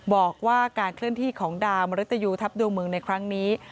บอกว่าการเคลื่อนที่ของดาวมริตยูทัพดวงเมืองในครั้งนี้